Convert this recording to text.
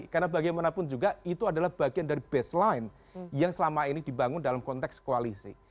karena bagaimanapun juga itu adalah bagian dari baseline yang selama ini dibangun dalam konteks koalisi